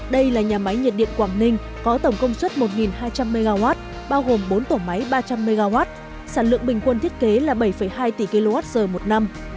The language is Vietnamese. đây là nhà máy nhiệt điện quảng ninh có tổng công suất một hai trăm linh mw bao gồm bốn tổ máy ba trăm linh mw sản lượng bình quân thiết kế là bảy hai tỷ kwh một năm